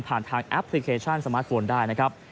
ทางแอปพลิเคชันสมาร์ทโฟนได้นะครับ